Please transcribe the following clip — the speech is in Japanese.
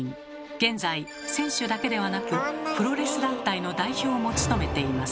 現在選手だけではなくプロレス団体の代表も務めています。